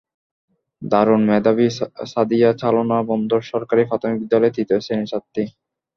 দারুণ মেধাবী সাদিয়া চালনা বন্দর সরকারি প্রাথমিক বিদ্যালয়ের তৃতীয় শ্রেণির ছাত্রী।